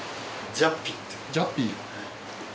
ジャッピー。